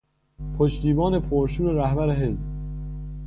پشتیبان پر شور رهبر حزب